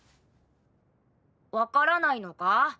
分からないのか？